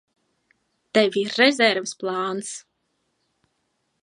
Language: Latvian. Tev ir rezerves plāns?